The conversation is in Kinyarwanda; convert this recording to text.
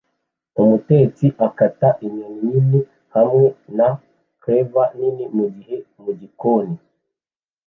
Umutetsi akata inyoni nini hamwe na cleaver nini mugihe mugikoni